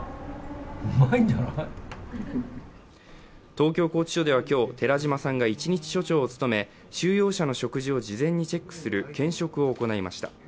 東京拘置所では、今日、寺島さんが、一日所長を務め、収容者の食事を事前にチェックする検食を行いました。